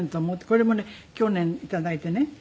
これもね去年頂いてね。